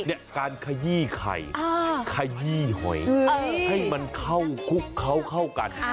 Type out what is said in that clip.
เนี่ยการขยี้ไข่ขยี้หอยให้มันเข้าคุกเขาเข้ากัน